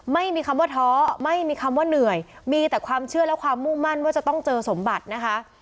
ไม่มีคำว่าท้อไม่มีคำว่าเหนื่อยมีแต่ความเชื่อและความมุ่งมั่นว่าจะต้องเจอสมบัตินะคะ